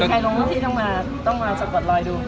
ว่ามีใครลงที่ต้องมาสะกดลอยดู